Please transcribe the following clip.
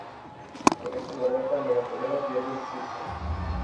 Con esta derrota Nueva Toledo pierde el Cusco.